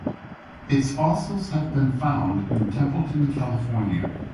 Its fossils have been found in Templeton California.